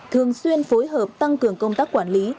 thường xuyên phối hợp tăng cường công tác quản lý